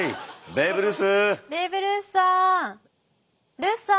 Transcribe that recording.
ベーブ・ルースさん！